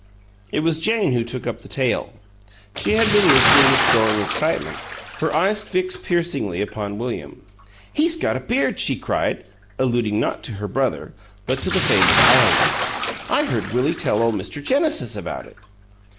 It was Jane who took up the tale. She had been listening with growing excitement, her eyes fixed piercingly upon William. "He's got a beard!" she cried, alluding not to her brother, but to the fabled Iowan. "I heard Willie tell ole Mr. Genesis about it."